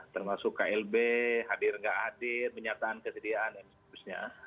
termasuk klb hadir gak hadir penyertaan kesisian dan sebagainya